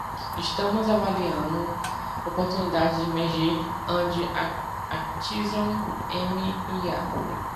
Estamos avaliando oportunidades de merger and acquisition (M&A).